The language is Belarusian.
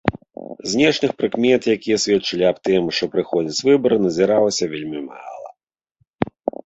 Знешніх прыкмет, якія сведчылі аб тым, што праходзяць выбары, назіралася вельмі мала.